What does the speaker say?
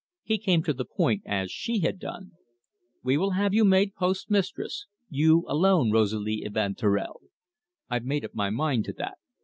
He came to the point as she had done: "We will have you made postmistress you alone, Rosalie Evanturel. I've made up my mind to that.